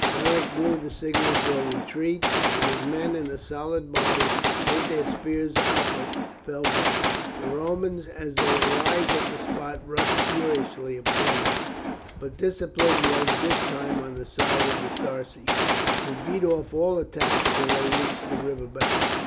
Beric blew the signal for retreat, and his men in a solid body, with their spears outward, fell back. The Romans, as they arrived at the spot, rushed furiously upon them; but discipline was this time on the side of the Sarci, who beat off all attacks till they reached the river bank.